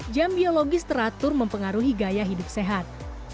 jam biologis teratur mempengaruhi gaya hidup sehat